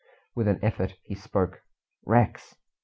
With an effort he spoke. "Rex!"